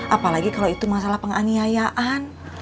apalagi kalau itu masalah penganiayaan